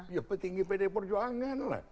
ya petinggi pdi perjuangan lah